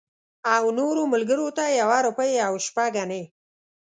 او نورو ملګرو ته یې یوه روپۍ او شپږ انې.